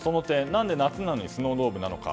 なんで夏なのにスノードームなのか。